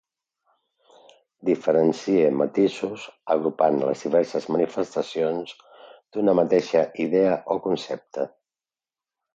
Diferencie matisos agrupant les diverses manifestacions d'una mateixa idea o concepte